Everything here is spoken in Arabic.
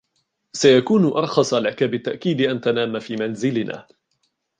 سيكون أرخص لك بالتأكيد أن تنام في منزلنا.